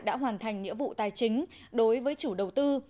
đã hoàn thành nghĩa vụ tài chính đối với chủ đầu tư